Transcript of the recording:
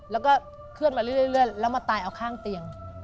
เรื่อยแล้วมาตายเอาข้างเตียง